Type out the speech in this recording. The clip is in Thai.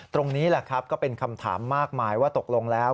ตรงนี้แหละครับก็เป็นคำถามมากมายว่าตกลงแล้ว